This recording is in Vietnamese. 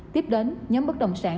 tiếp đến nhóm bất đồng sản